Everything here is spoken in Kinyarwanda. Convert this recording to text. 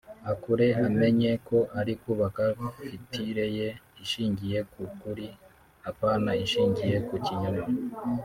akure amenye ko ari kubaka future ye ishingiye ku kuri apana ishingiye ku kinyoma